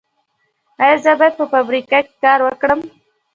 ایا زه باید په فابریکه کې کار وکړم؟